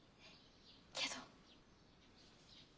けど。